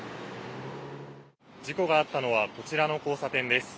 事故があったのは、こちらの交差点です。